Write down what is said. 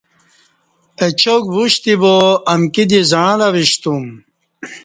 اچاک وُشتی با امکی دی زعݩلہ وشتو م